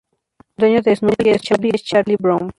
El dueño de Snoopy es Charlie Brown.